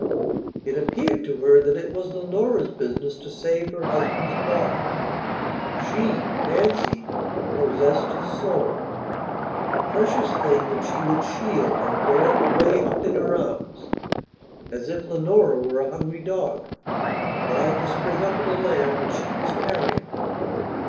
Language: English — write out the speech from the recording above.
It appeared to her that it was Leonora's business to save her husband's body; she, Nancy, possessed his soula precious thing that she would shield and bear away up in her armsas if Leonora were a hungry dog, trying to spring up at a lamb that she was carrying.